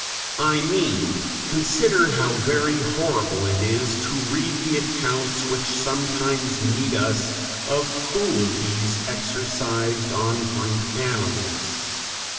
I mean, consider how very horrible it is to read the accounts which sometimes meet us of cruelties exercised on brute animals.